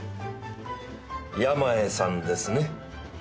山家さんですね？